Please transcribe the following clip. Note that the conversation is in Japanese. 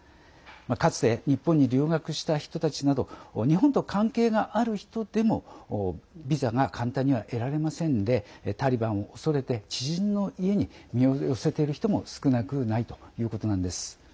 かつて日本に留学した人たちなど日本と関係がある人でもビザが簡単には得られませんでタリバンを恐れて知人の家に身を寄せている人も少なくないということなんです。